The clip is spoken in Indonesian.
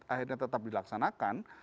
akhirnya tetap dilaksanakan